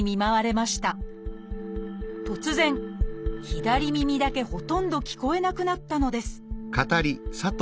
突然左耳だけほとんど聞こえなくなったのです